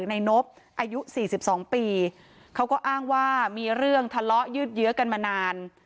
นบอายุ๔๒ปีเขาก็อ้างว่ามีเรื่องทะเลาะยืดเยอะกันมานาน